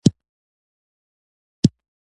هر چیرې چې وغواړي یوازې تللې شي.